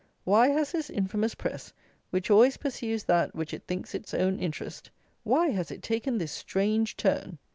Why has this infamous press, which always pursues that which it thinks its own interest; why has it taken this strange turn?